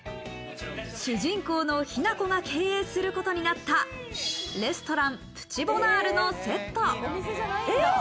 主人公の雛子が経営することになったレストラン、プチボナールのセット。